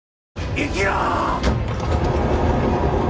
生きろ！